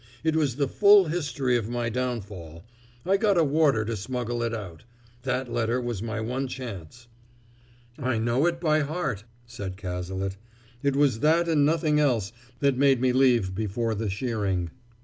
It was the full history of my downfall. I got a warder to smuggle it out. That letter was my one chance." "I know it by heart," said Cazalet. "It was that and nothing else that made me leave before the shearing."